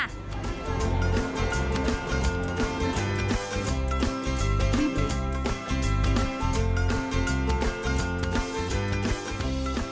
หลังจากเดินล่างกินมาเมื่อวิทยาลัย